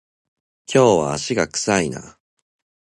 今日は足が臭いな